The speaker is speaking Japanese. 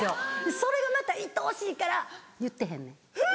それがまたいとおしいから言ってへんねん。